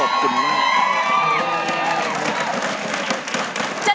เดี๋ยว